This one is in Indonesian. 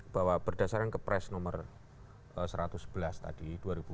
bahwa berdasarkan kepres nomor satu ratus sebelas tadi dua ribu dua puluh